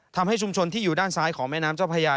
ทำให้ชุมชนที่อยู่ด้านซ้ายของแม่น้ำเจ้าพญา